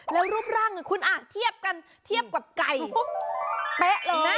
แล้วรูปร่างคุณอาจเทียบกันเทียบกับไก่แป๊ะเลย